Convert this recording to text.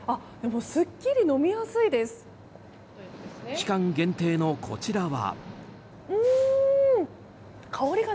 期間限定のこちらは。